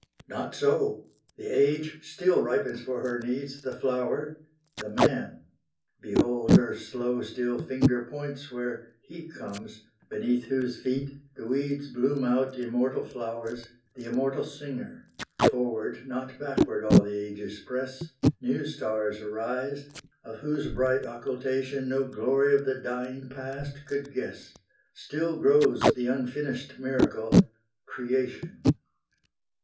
Not so! The age still ripens for her needs The flower, the man. Behold her slow still finger Points where He comes, beneath whose feet the weeds Bloom out immortal flowers, the immortal Singer! Forward, not backward all the ages press; New stars arise, of whose bright occultation No glory of the dying past could guess: Still grows the unfinished miracle, Creation.